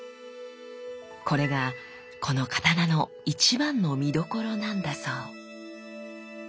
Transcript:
これがこの刀の一番の見どころなんだそう。